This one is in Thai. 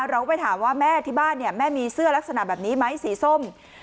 เราก็ไปถามว่าแม่ที่บ้านเนี่ยแม่มีเสื้อลักษณะแบบนี้ไหมสีส้ม